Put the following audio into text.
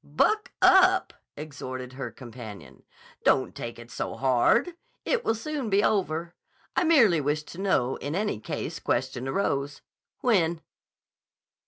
"Buck up!" exhorted her companion. "Don't take it so hard. It will soon be over. I merely wished to know, in case any question arose. When?"